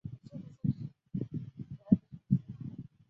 对富纳角箱鲀的繁殖的研究很彻底。